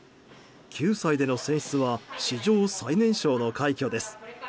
９歳での選出は史上最年少の快挙です。